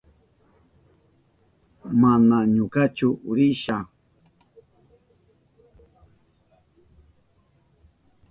Mana ñukachu risha.